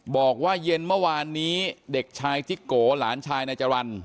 บอกว่าเย็นเมื่อวานนี้เด็กชายจิ๊กโกหลานชายนายจรรย์